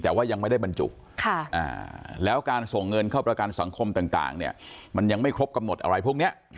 แต่ว่ายังไม่ได้บรรจุแล้วการส่งเงินเข้าประกันสังคมต่างเนี่ยมันยังไม่ครบกำหนดอะไรพวกนี้